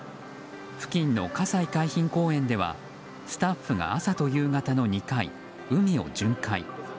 付近の葛西海浜公園ではスタッフが朝と夕方の２回、海を巡回。